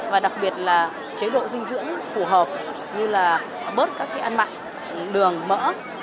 và đặc biệt là chế độ dinh dưỡng phù hợp như là bớt các cái ăn mặn đường mỡ